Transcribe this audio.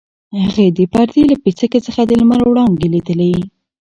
هغې د پردې له پیڅکې څخه د لمر وړانګې لیدلې.